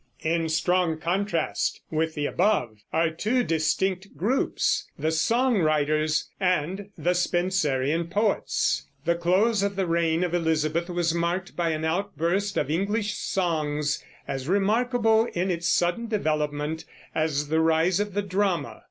In strong contrast with the above are two distinct groups, the Song Writers and the Spenserian poets. The close of the reign of Elizabeth was marked by an outburst of English songs, as remarkable in its sudden development as the rise of the drama.